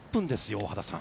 大畑さん。